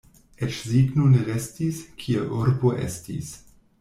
Eĉ signo ne restis, kie urbo estis.